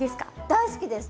大好きです！